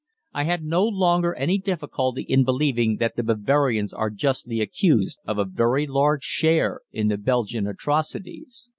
I had no longer any difficulty in believing that the Bavarians are justly accused of a very large share in the Belgian atrocities.